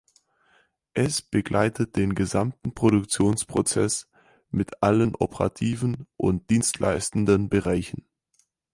Es begleitet den gesamten Produktionsprozess, mit allen operativen und dienstleistenden Bereichen.